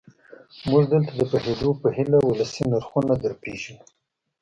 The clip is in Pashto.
موږ دلته د پوهېدو په هیله ولسي نرخونه درپېژنو.